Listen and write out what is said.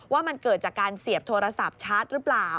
ว่ามันเกิดจากการเสียบโทรศัพท์ชาร์จหรือเปล่า